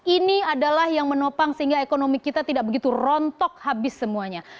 ini adalah yang menopang sehingga ekonomi kita tidak begitu rontok habis semuanya